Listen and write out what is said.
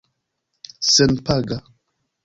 senpaga